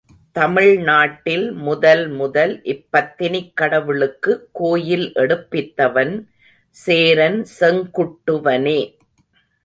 தமிழ்நாட்டில் முதல் முதல் இப்பத்தினிக் கடவுளுக்கு கோயில் எடுப்பித்தவன் சேரன் செங்குட்டுவனே.